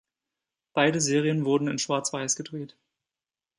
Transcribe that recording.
Beide Serien wurden in Schwarz-weiß gedreht.